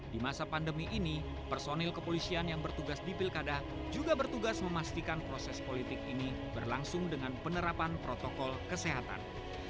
di masa pandemi ini personil kepolisian yang bertugas di pilkada juga bertugas memastikan proses politik ini berlangsung dengan penerapan protokol kesehatan